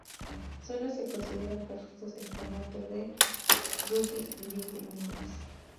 Solo se consideran partidos en formato de rugby league nines.